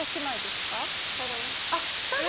あっ双子！